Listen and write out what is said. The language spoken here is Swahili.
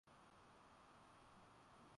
na pia kuna watu ambae wanakabiliana na